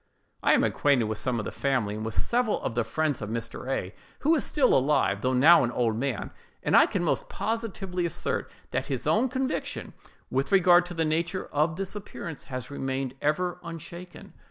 I am acquainted with some of the family, and with several of the friends of Mr. A——, who is still alive, though now an old man, and I can most positively assert that his own conviction, with regard to the nature of this appearance, has remained ever unshaken.